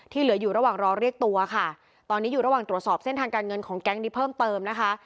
เหลืออยู่ระหว่างรอเรียกตัวค่ะตอนนี้อยู่ระหว่างตรวจสอบเส้นทางการเงินของแก๊งนี้เพิ่มเติมนะคะ